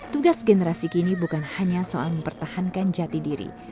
tugas generasi kini bukan hanya soal mempertahankan jati diri